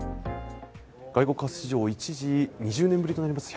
外国為替市場一時、２０年ぶりとなります